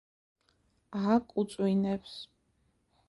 ააკუწვინებს